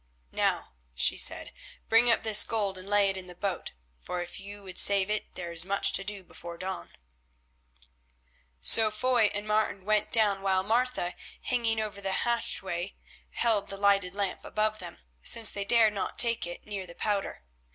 "Now," she said, "bring up this gold and lay it in the boat, for if you would save it there is much to do before dawn." So Foy and Martin went down while Martha, hanging over the hatchway, held the lighted lamp above them, since they dared not take it near the powder.